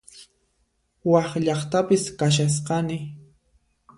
Wak llaqtapis kashasqani